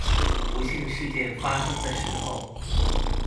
不幸事件發生的時候